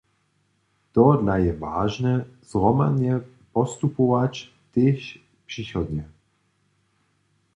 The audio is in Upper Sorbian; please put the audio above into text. Tohodla je wažne zhromadnje postupować, tež přichodnje.